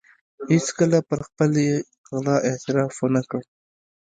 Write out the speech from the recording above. هېڅکله پر خپلې غلا اعتراف و نه کړ.